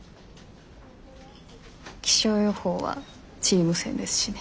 気象予報はチーム戦ですしね。